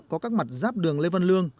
có các mặt giáp đường lê văn lương